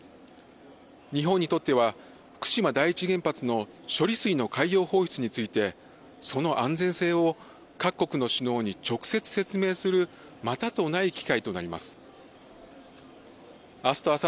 日本にとっては福島第一原発の処理水の海洋放出について、その安全性を各国の首脳に直接説明する、またとない機会となります。